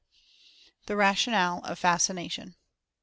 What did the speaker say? THE RATIONALE OF FASCINATION.